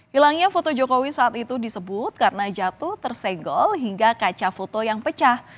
hilangnya foto jokowi saat itu disebut karena jatuh tersenggol hingga kaca foto yang pecah